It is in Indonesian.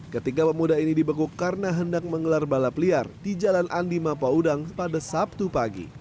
ketiga pemuda ini dibekuk karena hendak menggelar balap liar di jalan andi mapaudang pada sabtu pagi